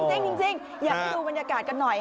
เอ้าจริงให้ดูบรรยากาศกันหน่อยค่ะ